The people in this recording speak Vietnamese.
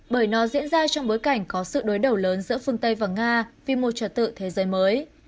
bởi nó diễn ra trong bối cảnh có sự đối đầu lớn giữa phương tây và nga vì một trật tự thế giới mới